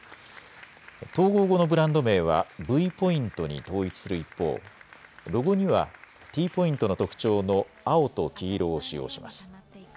統合後のブランド名はＶポイントに統一する一方、ロゴにはＴポイントの特徴の青と黄色を使用します。